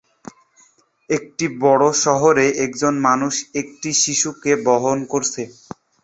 একটি বড় শহরে একজন মানুষ একটি শিশুকে বহন করছে।